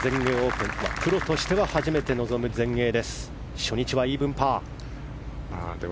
プロとしては初めて臨む全英です。